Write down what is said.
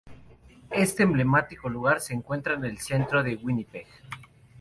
Este emblemático lugar se encuentra en el centro de Winnipeg.